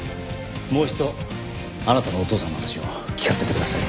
もう一度あなたのお父さんの話を聞かせてください。